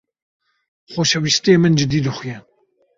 Xoşewîstê min cidî dixuye.